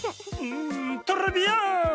んトレビアーン！